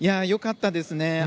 よかったですね。